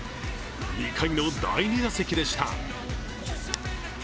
２回の第２打席でした。